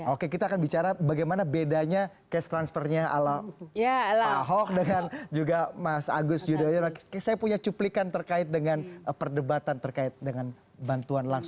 oke kita di segmen berikutnya kita akan